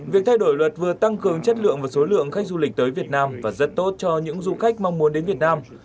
việc thay đổi luật vừa tăng cường chất lượng và số lượng khách du lịch tới việt nam và rất tốt cho những du khách mong muốn đến việt nam